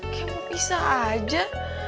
kayak mau pisah aja